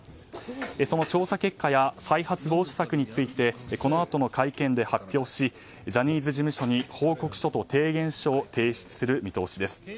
その調査結果や再発防止策についてこのあとの会見で発表しジャニーズ事務所に報告書と提言書を提出する見通しです。